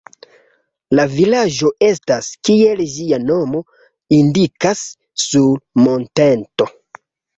La vilaĝo estas, kiel ĝia nomo indikas, sur monteto.